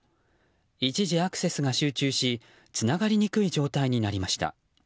一時アクセスが集中しつながりにくい状態になりました。